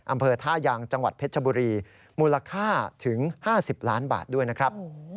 อำเภอท่ายางจังหวัดเพชรบุรีมูลค่าถึง๕๐ล้านบาทด้วยนะครับ